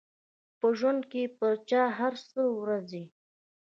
په ژوند کې پر چا هر څه ورځي.